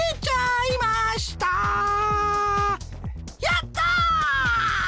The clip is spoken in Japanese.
やった！